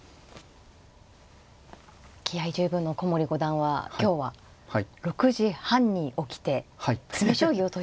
気合い十分の古森五段は今日は６時半に起きて詰め将棋を解いたということでした。